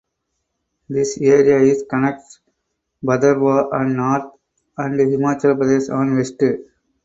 This area is connects Bhaderwah on North and Himachal Pradesh on West.